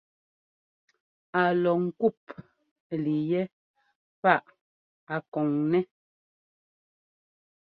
Á lɔ ŋkûp líi yɛ́ paʼa a kɔn nɛ́.